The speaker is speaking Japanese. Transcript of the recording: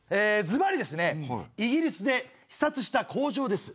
ずばりですねイギリスで視察した工場です。